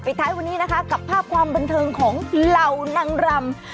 ท้ายวันนี้นะคะกับภาพความบันเทิงของเหล่านางรำ